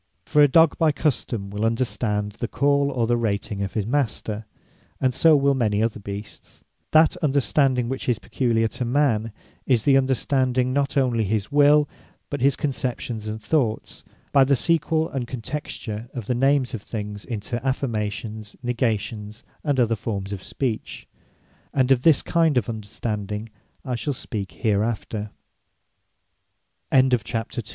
For a dogge by custome will understand the call, or the rating of his Master; and so will many other Beasts. That Understanding which is peculiar to man, is the Understanding not onely his will; but his conceptions and thoughts, by the sequell and contexture of the names of things into Affirmations, Negations, and other formes of Speech: And of this kinde of Understanding I shall